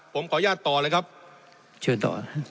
ผมขออนุญาตต่อเลยครับเชิญต่อ